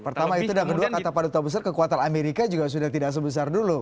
pertama itu dan kedua kata pak duta besar kekuatan amerika juga sudah tidak sebesar dulu